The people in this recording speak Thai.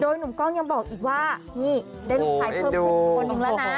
โดยหนุ่มกล้องยังบอกอีกว่านี่ได้ลูกชายเพิ่มคุณทุกคนหนึ่งแล้วนะโอ้โหค่ะ